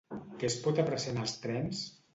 Què es pot apreciar en els trens?